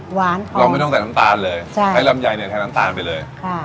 หวานค่ะเราไม่ต้องใส่น้ำตาลเลยใช่ใช้ลำไยเนี่ยแทนน้ำตาลไปเลยค่ะ